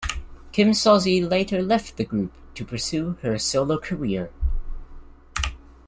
Kim Sozzi later left the group to pursue her solo career.